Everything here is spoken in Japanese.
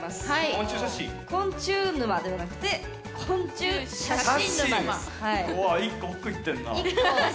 「昆虫沼」ではなくて「昆虫写真沼」です。